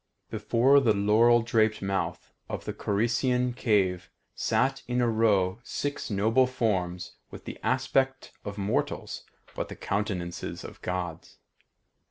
Before the laurel draped mouth of the Corycian cave sat in a row six noble forms with the aspect of mortals, but the countenances of Gods.